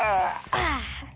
ああ。